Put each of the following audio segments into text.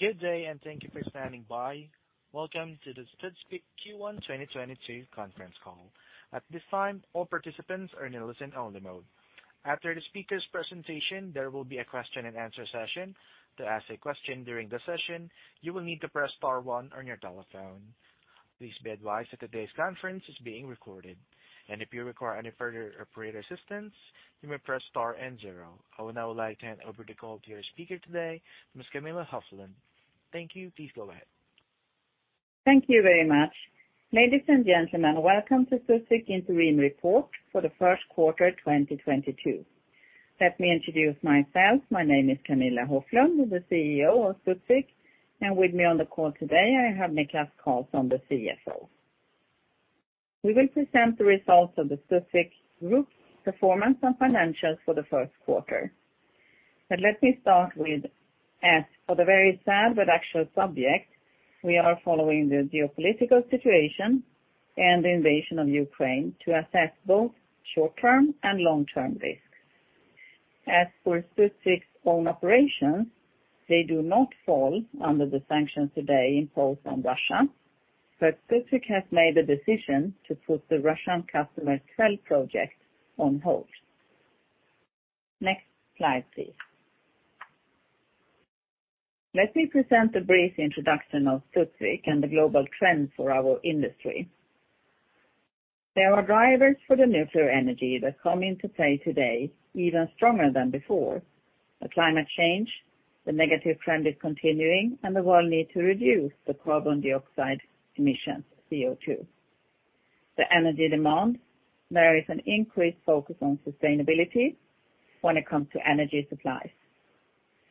Good day, thank you for standing by. Welcome to the Studsvik Q1 2022 conference call. At this time, all participants are in a listen-only mode. After the speaker's presentation, there will be a question and answer session. To ask a question during the session, you will need to press star one on your telephone. Please be advised that today's conference is being recorded, and if you require any further operator assistance, you may press star and zero. I would now like to hand over the call to your speaker today, Ms. Camilla Hoflund. Thank you. Please go ahead. Thank you very much. Ladies and gentlemen, welcome to Studsvik interim report for the first quarter 2022. Let me introduce myself. My name is Camilla Hoflund, the CEO of Studsvik, and with me on the call today, I have Niklas Karlsson, the CFO. We will present the results of the Studsvik Group performance and financials for the first quarter. Let me start with, as for the very sad but actual subject, we are following the geopolitical situation and the invasion of Ukraine to assess both short-term and long-term risks. As for Studsvik's own operations, they do not fall under the sanctions today imposed on Russia. Studsvik has made a decision to put the Russian customer VVER project on hold. Next slide, please. Let me present a brief introduction of Studsvik and the global trends for our industry. There are drivers for the nuclear energy that come into play today even stronger than before. The climate change, the negative trend is continuing, and the world need to reduce the carbon dioxide emissions, CO2. The energy demand, there is an increased focus on sustainability when it comes to energy supplies.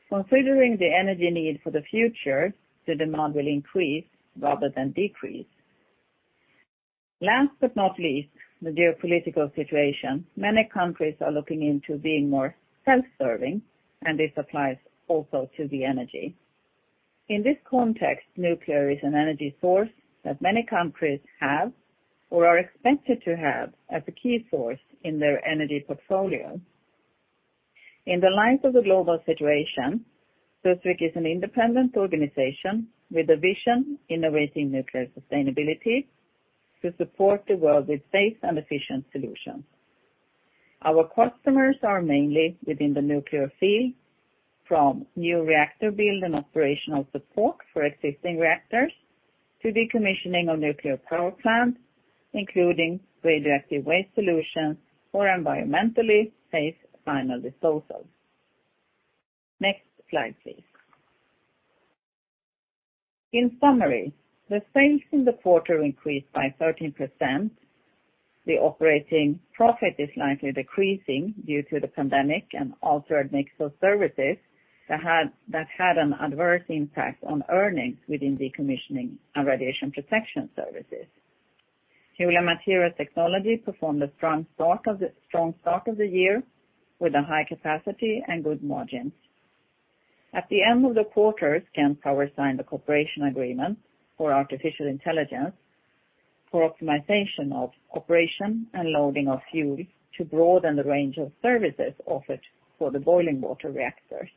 Considering the energy need for the future, the demand will increase rather than decrease. Last but not least, the geopolitical situation, many countries are looking into being more self-serving, and this applies also to the energy. In this context, nuclear is an energy source that many countries have or are expected to have as a key source in their energy portfolio. In the light of the global situation, Studsvik is an independent organization with a vision innovating nuclear sustainability to support the world with safe and efficient solutions. Our customers are mainly within the nuclear field from new reactor build and operational support for existing reactors to decommissioning of nuclear power plants, including radioactive waste solutions for environmentally safe final disposal. Next slide, please. In summary, the sales in the quarter increased by 13%. The operating profit is slightly decreasing due to the pandemic and altered mix of services that had an adverse impact on earnings within Decommissioning and Radiation Protection Services. Fuel and Materials Technology performed a strong start of the year with a high capacity and good margins. At the end of the quarter, Gem Power signed a cooperation agreement for artificial intelligence for optimization of operation and loading of fuel to broaden the range of services offered for the boiling water reactors.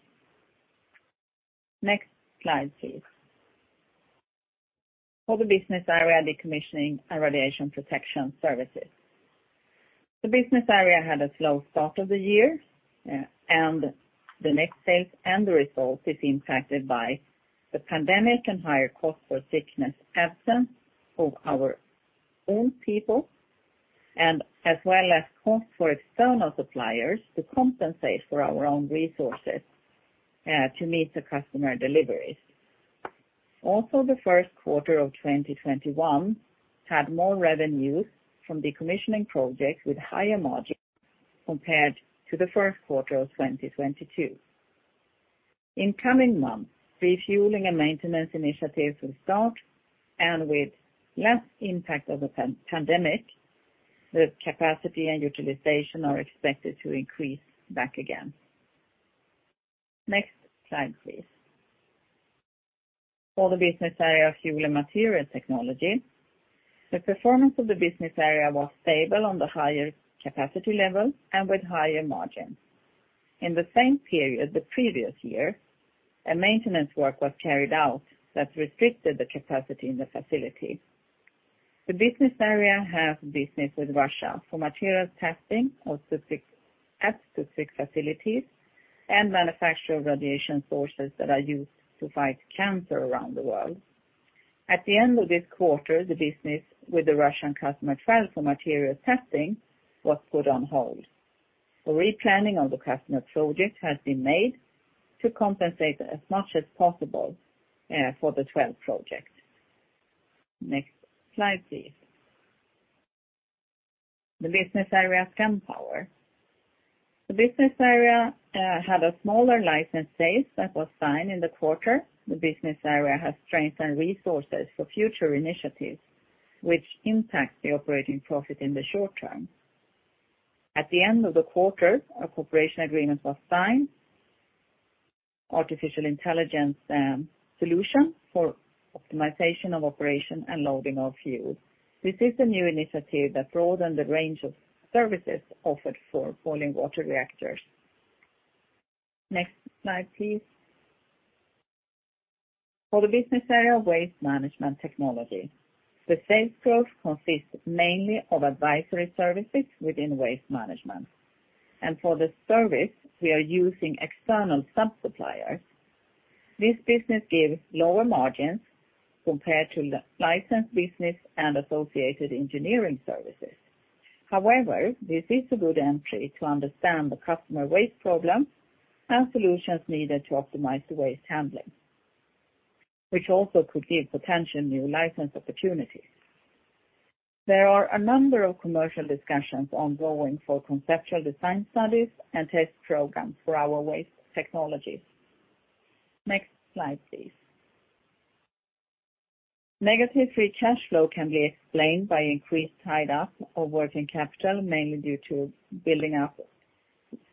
Next slide, please. For the business area Decommissioning and Radiation Protection Services. The business area had a slow start of the year, and the net result is impacted by the pandemic and higher cost for sickness absence of our own people and as well as cost for external suppliers to compensate for our own resources, to meet the customer deliveries. Also, the first quarter of 2021 had more revenues from decommissioning projects with higher margin compared to the first quarter of 2022. In coming months, refueling and maintenance initiatives will start, and with less impact of the pandemic, the capacity and utilization are expected to increase back again. Next slide, please. For the business area, Fuel and Materials Technology. The performance of the business area was stable on the higher capacity level and with higher margins. In the same period the previous year, a maintenance work was carried out that restricted the capacity in the facility. The business area have business with Russia for materials testing of Studsvik, at Studsvik facilities and manufacture radiation sources that are used to fight cancer around the world. At the end of this quarter, the business with the Russian customer VVER for material testing was put on hold. A replanning of the customer project has been made to compensate as much as possible for the VVER project. Next slide, please. The business area, Gem Power. The business area had a smaller license sales that was signed in the quarter. The business area has strengthened resources for future initiatives which impact the operating profit in the short term. At the end of the quarter, a cooperation agreement was signed, artificial intelligence solution for optimization of operation and loading of fuel. This is a new initiative that broaden the range of services offered for boiling water reactors. Next slide, please. For the business area, Waste Management Technology, the sales growth consists mainly of advisory services within waste management. For the service, we are using external sub-suppliers. This business gives lower margins compared to the licensed business and associated engineering services. However, this is a good entry to understand the customer waste problems and solutions needed to optimize the waste handling, which also could give potential new license opportunities. There are a number of commercial discussions ongoing for conceptual design studies and test programs for our waste technologies. Next slide, please. Negative free cash flow can be explained by increased tied up of working capital, mainly due to building up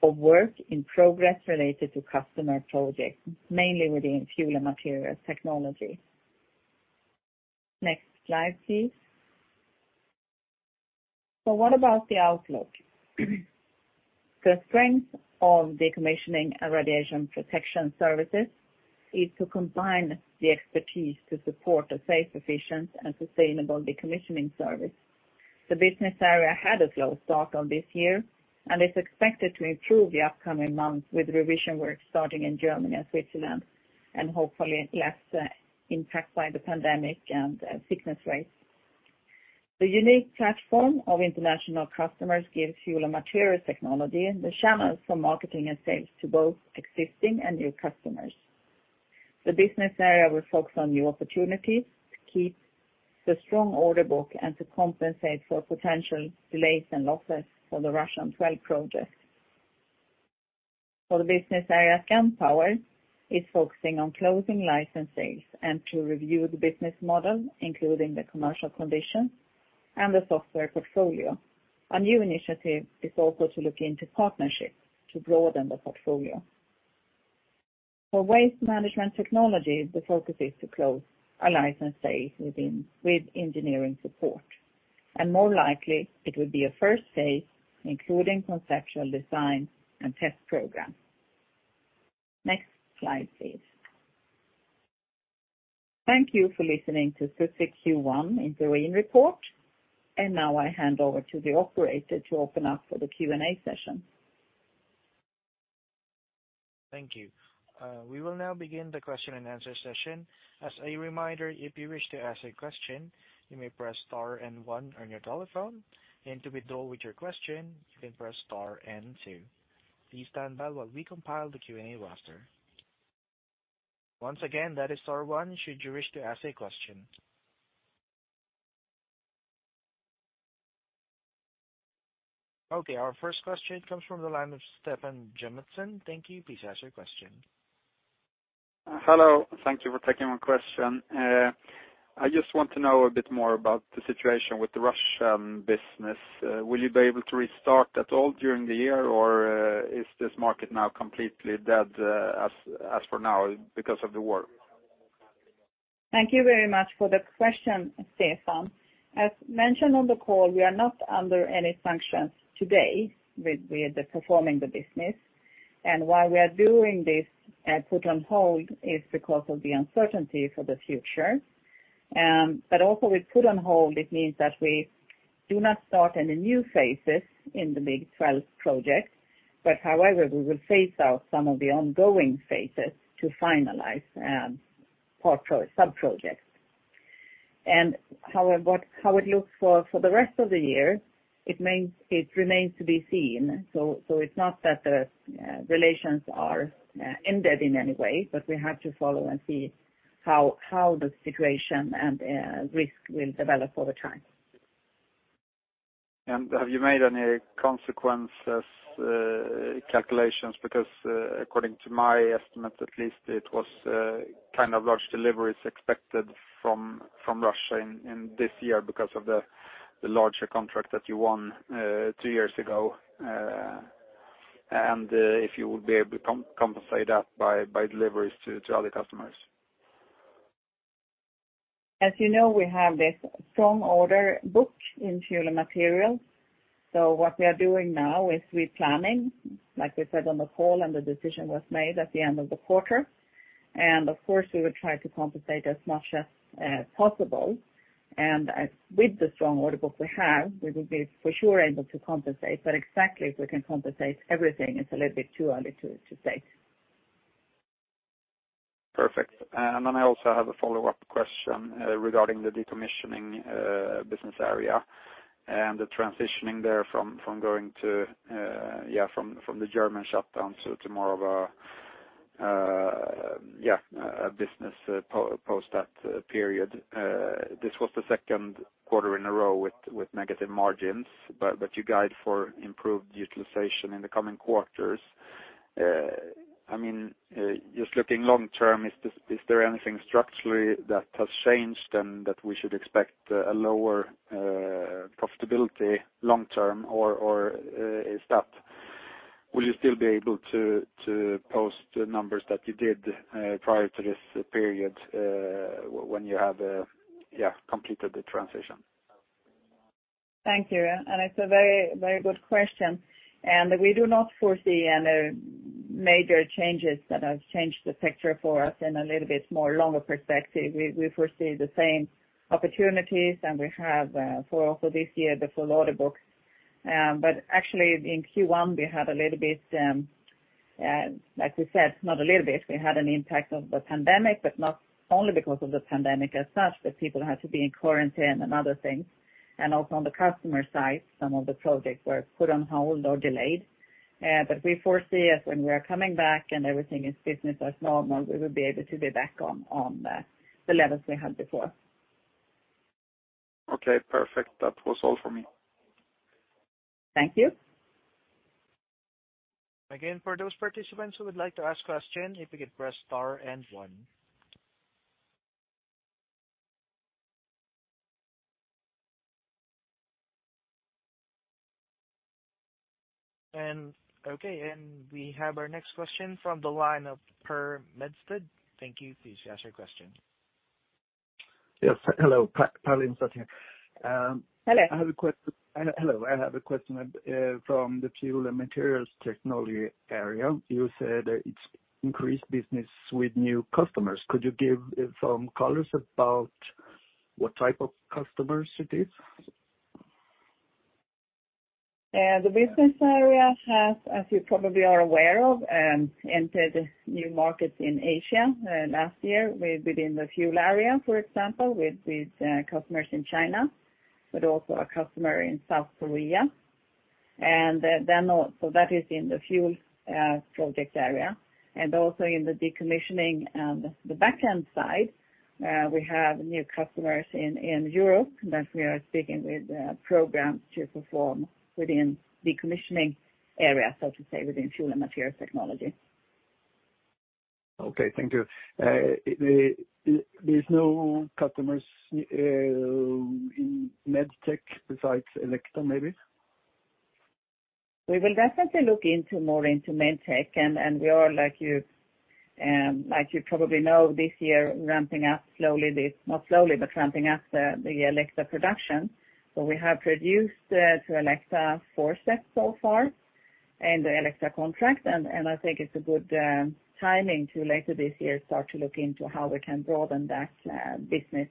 of work in progress related to customer projects, mainly within Fuel and Materials Technology. Next slide, please. What about the outlook? The strength of Decommissioning and Radiation Protection Services is to combine the expertise to support a safe, efficient, and sustainable decommissioning service. The business area had a slow start on this year, and it's expected to improve the upcoming months with revision work starting in Germany and Switzerland, and hopefully less impact by the pandemic and sickness rates. The unique platform of international customers gives Fuel and Materials Technology the channels for marketing and sales to both existing and new customers. The business area will focus on new opportunities to keep the strong order book and to compensate for potential delays and losses for the Russian VVER-1200 project. For the business area, Gem Power is focusing on closing license sales and to review the business model, including the commercial conditions and the software portfolio. A new initiative is also to look into partnerships to broaden the portfolio. For Waste Management Technology, the focus is to close a license sale with engineering support. More likely, it will be a first phase, including conceptual design and test program. Next slide, please. Thank you for listening to Studsvik Q1 interim report. Now I hand over to the operator to open up for the Q&A session. Thank you. We will now begin the question and answer session. As a reminder, if you wish to ask a question, you may press star and one on your telephone. To withdraw your question, you can press star and two. Please stand by while we compile the Q&A roster. Once again, that is star one, should you wish to ask a question. Okay, our first question comes from the line of Stefan Jamison. Thank you. Please ask your question. Hello. Thank you for taking my question. I just want to know a bit more about the situation with the Russian business. Will you be able to restart at all during the year, or, is this market now completely dead, as for now because of the war? Thank you very much for the question, Stefan. As mentioned on the call, we are not under any sanctions today with performing the business. While we are doing this, put on hold is because of the uncertainty for the future. But also with put on hold, it means that we do not start any new phases in the VVER-1200 project, but however, we will phase out some of the ongoing phases to finalize part or sub-projects. How it looks for the rest of the year, it remains to be seen. It's not that the relations are ended in any way, but we have to follow and see how the situation and risk will develop over time. Have you made any consequences calculations? Because according to my estimate, at least it was kind of large deliveries expected from Russia in this year because of the larger contract that you won two years ago, and if you will be able to compensate that by deliveries to other customers. As you know, we have this strong order book in fuel and material. What we are doing now is replanning, like we said on the call, and the decision was made at the end of the quarter. Of course, we would try to compensate as much as possible. As with the strong order book we have, we will be for sure able to compensate. Exactly if we can compensate everything, it's a little bit too early to say. Perfect. Then I also have a follow-up question regarding the Decommissioning business area and the transitioning therefrom going from the German shutdown to more of a business post that period. This was the second quarter in a row with negative margins, but you guide for improved utilization in the coming quarters. I mean, just looking long-term, is there anything structurally that has changed and that we should expect lower profitability long-term or will you still be able to post the numbers that you did prior to this period when you have completed the transition? Thank you. It's a very, very good question. We do not foresee any major changes that have changed the picture for us in a little bit more longer perspective. We foresee the same opportunities, and we have for this year the full order boo, but actually, in Q1, we had a little bit, like we said, not a little bit. We had an impact of the pandemic, but not only because of the pandemic as such, but people had to be in quarantine and other things. Also on the customer side, some of the projects were put on hold or delayed. But we foresee that when we are coming back and everything is business as normal, we will be able to be back on the levels we had before. Okay, perfect. That was all for me. Thank you. Again, for those participants who would like to ask question, if you could press star and one. Okay. We have our next question from the line of Per Medsted. Thank you. Please ask your question. Yes. Hello, Per Medsted here. Hello. I have a question from the Fuel and Materials Technology area. You said it increased business with new customers. Could you give some colors about what type of customers it is? The business area has, as you probably are aware of, entered new markets in Asia last year within the fuel area, for example, with customers in China, but also a customer in South Korea. That is in the fuel project area and also in the decommissioning and the back-end side, we have new customers in Europe that we are speaking with programs to perform within decommissioning area, so to say, within Fuel and Materials Technology. Okay. Thank you. There is no customers in Medtech besides Elekta, maybe? We will definitely look into more Medtech. We are like you probably know this year ramping up the Elekta production. We have produced to Elekta four sets so far and the Elekta contract. I think it's a good timing to later this year start to look into how we can broaden that business.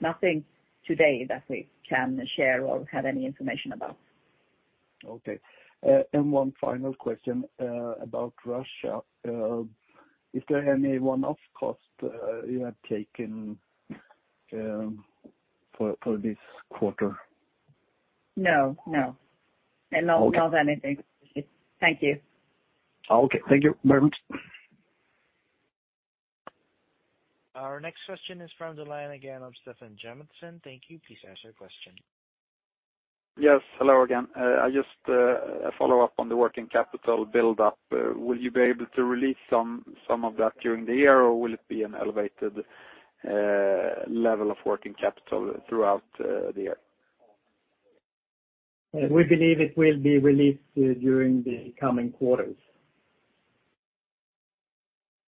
Nothing today that we can share or have any information about. Okay. One final question about Russia. Is there any one-off cost you have taken for this quarter? No, no. Okay. Not anything. Thank you. Okay. Thank you very much. Our next question is from the line again of Stefan Jamison. Thank you. Please ask your question. Yes. Hello again. I just follow up on the working capital build up. Will you be able to release some of that during the year, or will it be an elevated level of working capital throughout the year? We believe it will be released during the coming quarters.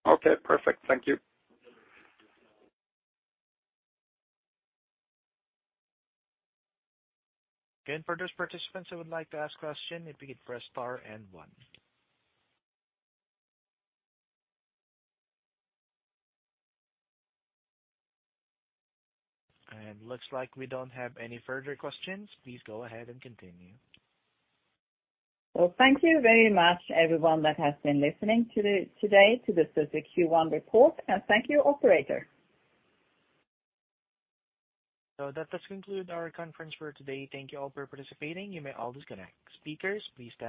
Okay, perfect. Thank you. Again, for those participants who would like to ask question, if you could press star and one. Looks like we don't have any further questions. Please go ahead and continue. Well, thank you very much, everyone that has been listening today to the Studsvik Q1 report. Thank you, operator. That does conclude our conference for today. Thank you all for participating. You may all disconnect. Speakers, please stand by.